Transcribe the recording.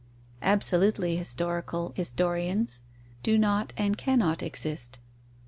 Absolutely historical historians do not and cannot exist.